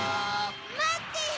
まってよ！